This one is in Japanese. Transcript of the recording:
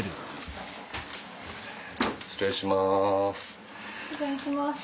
失礼します。